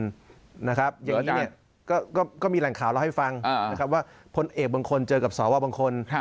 อย่างนี้ก็มีแหล่งข่าวเราให้ฟังนะครับว่าพลเอกบางคนเจอกับสวบางคน